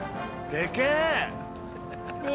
◆でっけえ。